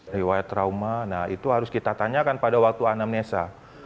riwayat trauma nah itu harus kita tanyakan pada waktu anamnesa